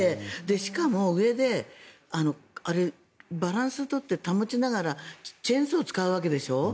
しかも上でバランスを保ちながらチェーンソーを使うわけでしょ？